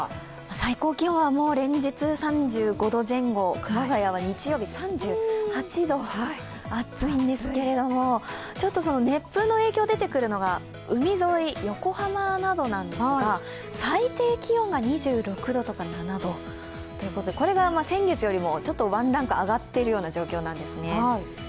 最高気温は連日３５度前後、熊谷は日曜日３８度、暑いんですけれども、ちょっと熱風の影響が出てくるのが海沿い、横浜などなんですが最低気温が２６度とか７度ということでこれが先月よりもワンランク上がっているような状況なんですね。